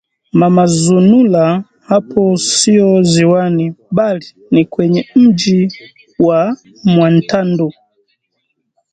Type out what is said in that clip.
“Mama Zanura hapo sio ziwani bali ni kwenye mji wa Mwantandu”